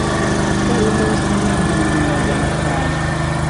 atari munsi y’ibihumbi magana atanu